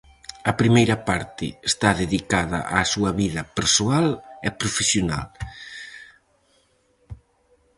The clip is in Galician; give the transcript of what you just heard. A primeira parte está dedicada á súa vida persoal e profesional.